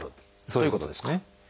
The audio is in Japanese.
そういうことですね。